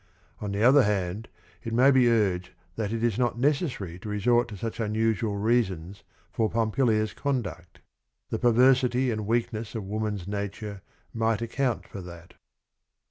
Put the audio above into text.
On the other hand, it may be urged that it is not necessary to resort to such unusual reasons for Pompilia's conduct; the perversity and weakness of woman's nature might account for that.